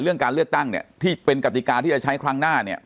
เรื่องการเลือกตั้งเนี่ยที่เป็นกติกาที่จะใช้ครั้งหน้าเนี่ย